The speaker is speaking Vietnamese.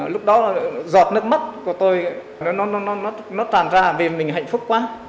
lúc đó giọt nước mắt của tôi nó tràn ra vì mình hạnh phúc quá